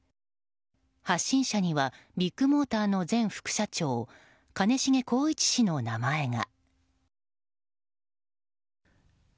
発信者にはビッグモーターの前副社長兼重宏一氏の名前が。